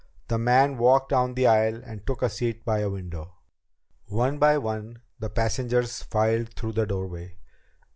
The man walked down the aisle and took a seat by a window. One by one the passengers filed through the doorway.